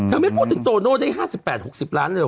ถ้าไม่พูดถึงโตโน่จะได้ห้าสิบแปดหกสิบล้านเลยหรอ